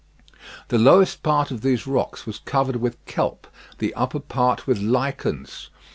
The lower part of these rocks was covered with kelp, the upper part with lichens.